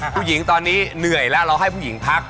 ผู้หญิงตอนนี้เหนื่อยแล้วเราให้ผู้หญิงพัก